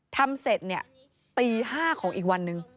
ทำเสร็จเนี่ยตี๕ของอีกวันหนึ่ง